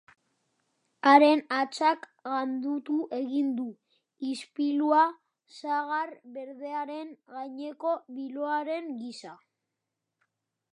Haren hatsak gandutu egin du ispilua, sagar berdearen gaineko biloaren gisa.